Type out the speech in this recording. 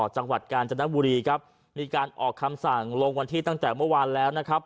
จังหวัดกาญจนบุรีครับมีการออกคำสั่งลงวันที่ตั้งแต่เมื่อวานแล้วนะครับ